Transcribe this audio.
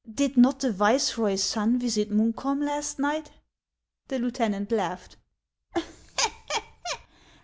" Did not the viceroy's son visit Munkholm last night ?" The lieutenant laughed.